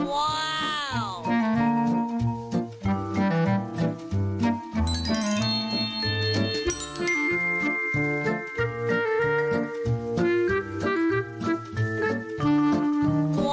ว้าว